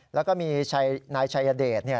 แล้วก็มีนายชัยเดช